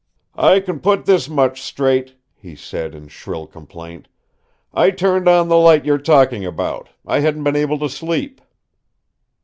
"I can put this much straight," he said in shrill complaint: "I turned on the light you're talking about. I hadn't been able to sleep."